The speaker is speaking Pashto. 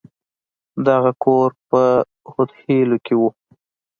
دغه کور په هود خيلو کښې و.